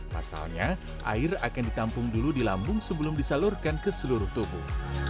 pasalnya air akan ditampung dulu di lambung sebelum disalurkan ke seluruh tubuh